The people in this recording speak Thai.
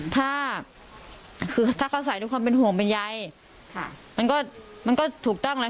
ถ้าเขาใส่ทุกความเป็นห่วงเป็นใยมันก็ถูกต้องแล้ว